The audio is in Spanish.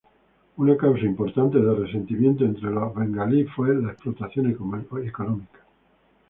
Una causa importante de resentimiento entre los bengalíes fue la explotación económica.